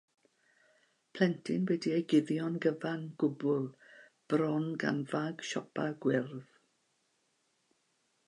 Plentyn wedi ei guddio'n gyfan gwbl bron gan fag siopa gwyrdd.